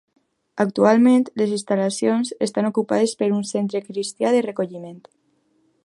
Actualment, les instal·lacions estan ocupades per un centre cristià de recolliment.